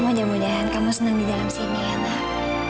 mudah mudahan kamu senang di dalam sini ya nak